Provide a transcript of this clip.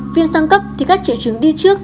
viêm sang cấp thì các triệu chứng đi trước